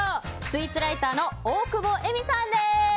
スイーツライターの大久保瑛美さんです。